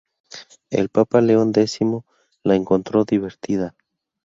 El Papa León X la encontró divertida.